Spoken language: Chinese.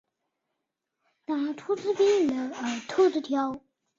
而这项应急的发电工程也是台电公司有史以来最短工期之离岛发电案。